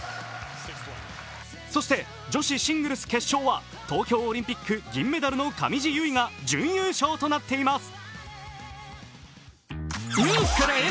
そして女子シングルス決勝は東京オリンピック銀メダルの上地結衣が準優勝となっています。